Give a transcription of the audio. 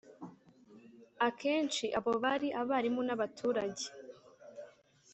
akenshi abo bari abarimu n’abaturage